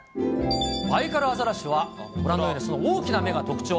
バイカルアザラシは、ご覧のようにその大きな目が特徴。